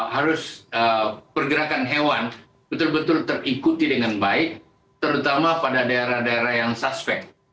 harus pergerakan hewan betul betul terikuti dengan baik terutama pada daerah daerah yang suspek